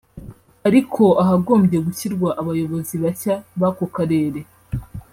ariko ahagombye gushyirwa abayobozi bashya b’ako Karere